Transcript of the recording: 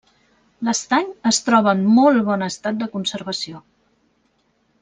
L'estany es troba en molt bon estat de conservació.